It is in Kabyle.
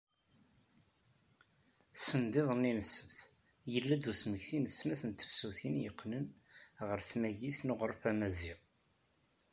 Send iḍelli n ssebt, yella-d usmekti n snat n tefsutin yeqqnen ɣer tmagit n uɣref Amaziɣ.